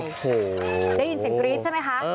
โอ้โหได้ยินเสียงกรี๊ดใช่ไหมคะ